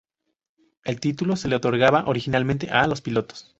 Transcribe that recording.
El título se le otorgaba originalmente a los pilotos.